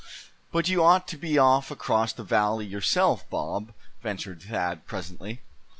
"But you ought to be off across the valley yourself, Bob," ventured Thad, presently.